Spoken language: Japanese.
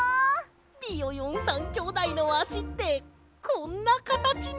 ビヨヨン３きょうだいのあしってこんなかたちなんだ。